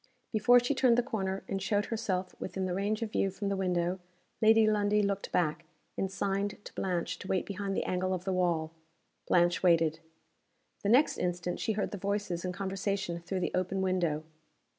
Before she turned the corner, and showed herself within the range of view from the window Lady Lundie looked back, and signed to Blanche to wait behind the angle of the wall. Blanche waited. The next instant she heard the voices in conversation through the open window.